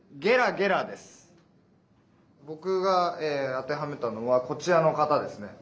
ぼくがあてはめたのはこちらのかたですね。